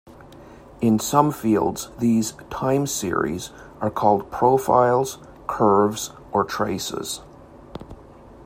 In some fields these "time series" are called profiles, curves, or traces.